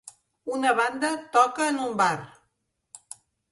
Una banda toca en un bar